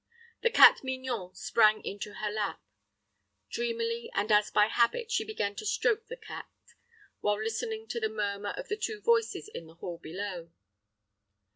The cat Mignon sprang into her lap. Dreamily, and as by habit, she began to stroke the cat, while listening to the murmur of the two voices in the hall below.